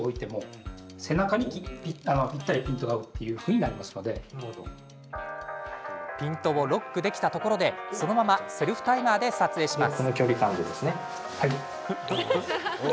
そこの状態でピントをロックできたところでそのままセルフタイマーで撮影します。